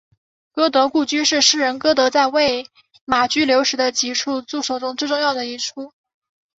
歌德故居是诗人歌德在魏玛居留时的几处住所中最重要的一处。